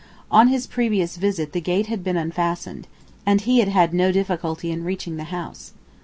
On his previous visit the gate had been unfastened, and he had had no difficulty in reaching the house.